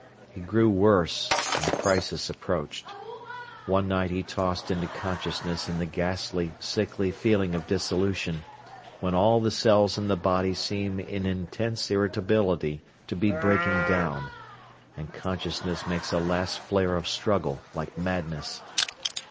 He grew worse, and the crisis approached. One night he tossed into consciousness in the ghastly, sickly feeling of dissolution, when all the cells in the body seem in intense irritability to be breaking down, and consciousness makes a last flare of struggle, like madness.